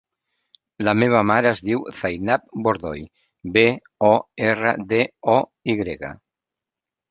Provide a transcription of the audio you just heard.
La meva mare es diu Zainab Bordoy: be, o, erra, de, o, i grega.